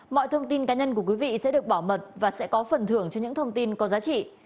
mọi thông tin cá nhân của quý vị sẽ được bảo mật và sẽ có phần thưởng cho những thông tin có giá trị